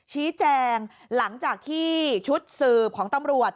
ชี้แจงหลังจากที่ชุดสืบของตำรวจ